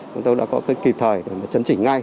chúng tôi đã có kịp thời để chấn chỉnh ngay